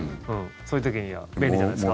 そういう時には便利じゃないですか。